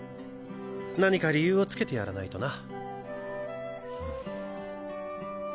何か理由をつけてやらないとな。